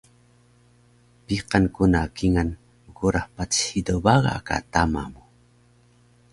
Biqan ku na kingal bgurah patis hido baga ka tama mu